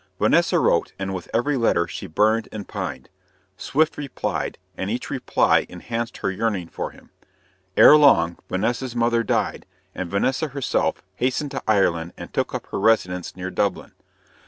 Vanessa wrote, and with every letter she burned and pined. Swift replied, and each reply enhanced her yearning for him. Ere long, Vanessa's mother died, and Vanessa herself hastened to Ireland and took up her residence near Dublin.